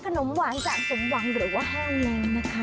ขนมหวานจะสมหวังหรือว่าแห้งแล้วนะคะ